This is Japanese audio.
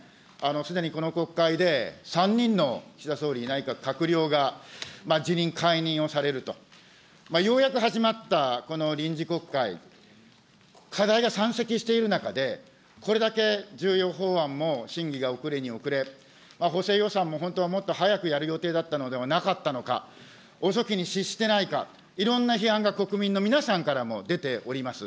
すでにこの国会で、３人の岸田総理内閣閣僚が辞任、解任をされると、ようやく始まったこの臨時国会、課題が山積している中で、これだけ重要法案も審議が遅れに遅れ、補正予算も本当はもっと早くやる予定だったのではなかったのか、遅きに失してないか、いろんな批判が国民の皆さんからも出ております。